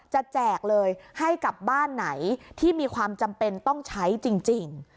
แจกเลยให้กับบ้านไหนที่มีความจำเป็นต้องใช้จริง